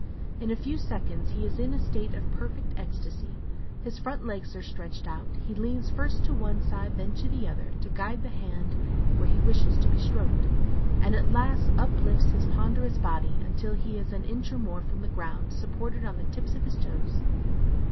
In a few seconds he is in a state of perfect ecstasy, his front legs are stretched out, he leans first to one side, then to the other, to guide the hand where he wishes to be stroked, and at last uplifts his ponderous body until he is an inch or more from the ground, supported on the tips of his toes.